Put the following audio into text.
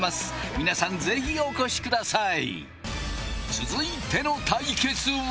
皆さん是非お越しください